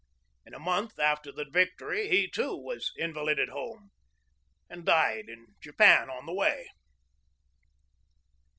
In a month after the victory he, too, was invalided home and died in Japan on the way.